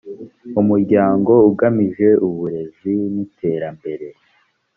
umuryango ugamije uburezi n iterambere